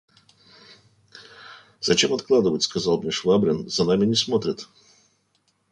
«Зачем откладывать? – сказал мне Швабрин, – за нами не смотрят.